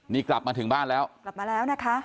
นี่กลับมาถึงบ้านแล้วกลับมาแล้วนะคะ